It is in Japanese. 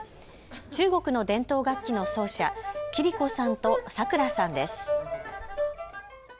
中国の伝統楽器の奏者、桐子さんとさくらさんです。